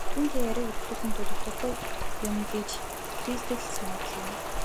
Түүнтэй яриаг үргэжлүүлэх нь утгагүй юм гэж Кириллд санагдлаа.